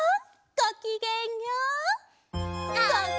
ごきげんよう！